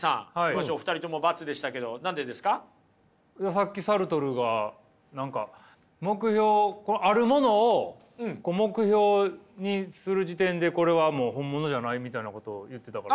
さっきサルトルが何か目標あるものを目標にする時点でこれはもう本物じゃないみたいなことを言ってたから。